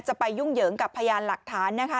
ไปยุ่งเหยิงกับพยานหลักฐานนะคะ